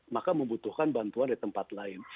maka membutuhkan bantuan dari tempat lain